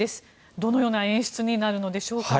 どのような演出になるのでしょうか。